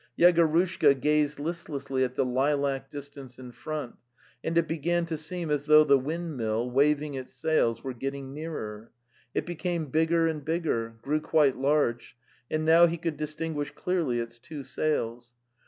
Yegorushka gazed listlessly at the lilac distance in front, and it began to seem as though the windmill, waving its sails, were getting nearer. It became bigger and bigger, grew quite large, and now he could distinguish clearly its two sails.